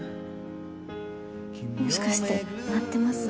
もしかして鳴ってます？